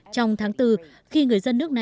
trong tháng bốn khi người dân nước